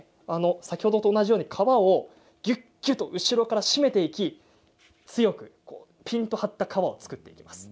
先ほどと同じように革をぎゅっぎゅっと締めていって強くぴんと張った革を作っていきます。